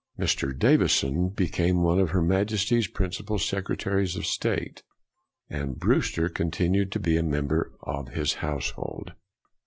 Mr. Davison be came one of Her Majesty's principal Sec retaries of State, and Brewster continued to be a member of his household.